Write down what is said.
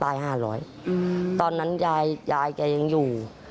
ห้าร้อยตอนนั้นยายยายแกยังอยู่